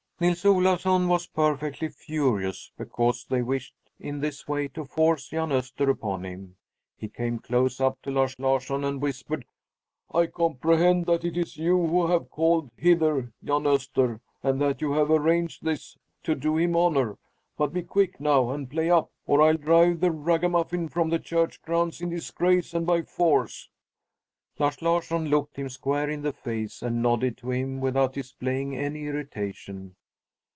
Nils Olafsson was perfectly furious because they wished in this way to force Jan Öster upon him. He came close up to Lars Larsson and whispered: "I comprehend that it is you who have called hither Jan Öster, and that you have arranged this to do him honor. But be quick, now, and play up, or I'll drive that ragamuffin from the church grounds in disgrace and by force!" Lars Larsson looked him square in the face and nodded to him without displaying any irritation.